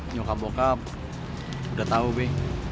nyokap bokap udah tau be